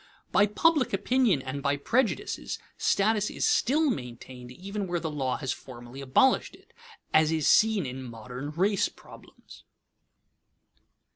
By public opinion and by prejudices, status is still maintained even where the law has formally abolished it, as is seen in modern race problems.